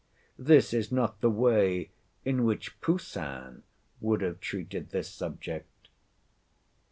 This is not the way in which Poussin would have treated this subject.